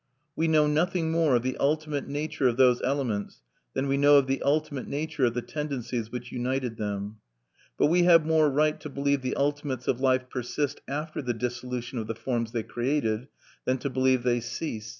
We know nothing more of the ultimate nature of those elements than we know of the ultimate nature of the tendencies which united them. But we have more right to believe the ultimates of life persist after the dissolution of the forms they created, than to believe they cease.